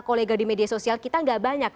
kolega di media sosial kita nggak banyak